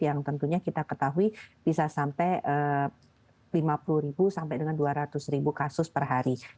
yang tentunya kita ketahui bisa sampai lima puluh sampai dengan dua ratus ribu kasus per hari